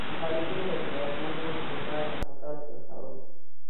مخالفینو به د واکمنو اقتدار ته خطر پېښاوه.